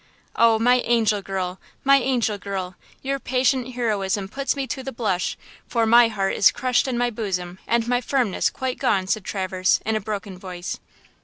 "Oh, my angel girl! My angel girl! Your patient heroism puts me to the blush, for my heart is crushed in my bosom and my firmness quite gone!" said Traverse, in a broken voice.